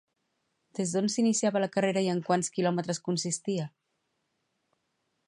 Des d'on s'iniciava la carrera i en quants quilòmetres consistia?